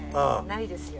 ないですよ